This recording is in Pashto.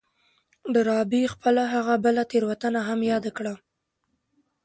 ډاربي خپله هغه بله تېروتنه هم ياده کړه.